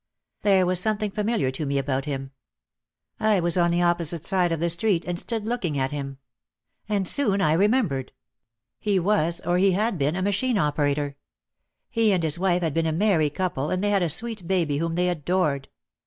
There was something familiar to me about him. I was on the opposite side of the street and stood looking at him. And soon I remembered. He was, or 158 OUT OF THE SHADOW he had been, a machine operator. He and his wife had been a merry couple and they had a sweet baby whom they adored.